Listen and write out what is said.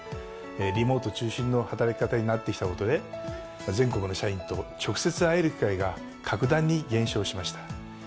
リモート中心の働き方になってきたことで全国の社員と直接会える機会が格段に減少しました。